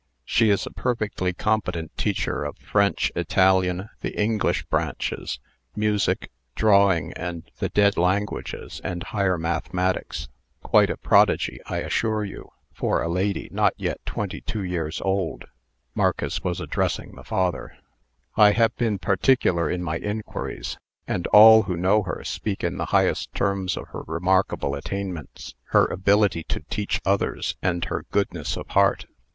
She is a perfectly competent teacher of French, Italian, the English branches, music, drawing, the dead languages, and higher mathematics quite a prodigy, I assure you, for a lady not yet twenty two years old." (Marcus was addressing the father.) "I have been particular in my inquiries, and all who know her speak in the highest terms of her remarkable attainments, her ability to teach others, and her goodness of heart.